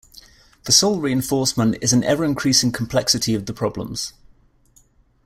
The sole reinforcement is an ever-increasing complexity of the problems.